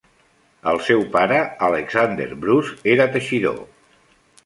El seu pare, Alexander Bruce, era teixidor.